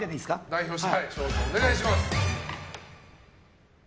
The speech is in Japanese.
代表して翔さん、お願いします。